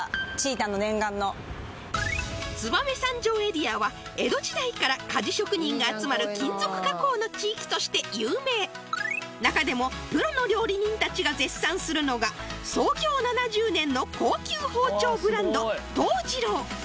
たんの念願の燕三条エリアは江戸時代から鍛冶職人が集まる金属加工の地域として有名中でもプロの料理人たちが絶賛するのが創業７０年の高級包丁ブランド藤次郎